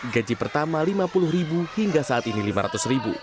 gaji pertama rp lima puluh hingga saat ini rp lima ratus